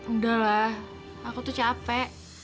udah lah aku tuh capek